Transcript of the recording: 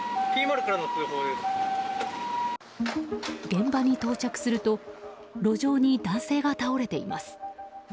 現場に到着すると路上に男性が倒れています。